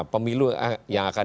pemilu yang akan